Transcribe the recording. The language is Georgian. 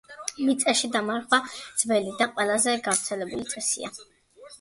მიწაში დამარხვა დაკრძალვის ძველი და ყველაზე გავრცელებული წესია.